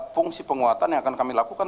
fungsi penguatan yang akan kami lakukan